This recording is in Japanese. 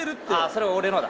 それ俺のだ。